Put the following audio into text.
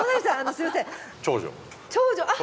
長女。